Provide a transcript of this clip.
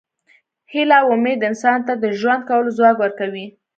هیله او امید انسان ته د ژوند کولو ځواک ورکوي.